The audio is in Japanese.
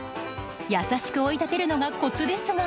優しく追い立てるのがコツですが。